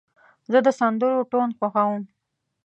زه د سندرو ټون خوښوم.